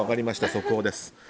速報です。